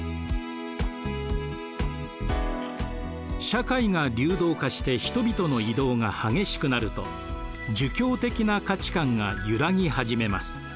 社会が流動化して人々の移動が激しくなると儒教的な価値観が揺らぎ始めます。